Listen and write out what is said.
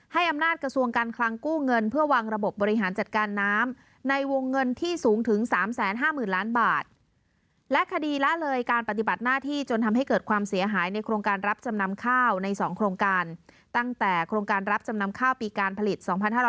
ให้อำนาจกระทรวงการคลังกู้เงินเพื่อวางระบบบริหารจัดการน้ำในวงเงินที่สูงถึง๓๕๐๐๐๐ล้านบาท